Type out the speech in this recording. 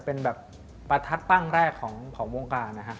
เป็นประทัดตั้งแรกของมวงการ